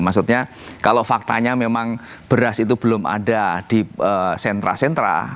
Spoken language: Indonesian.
maksudnya kalau faktanya memang beras itu belum ada di sentra sentra